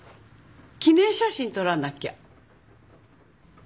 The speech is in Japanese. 記念写真撮らなきゃ。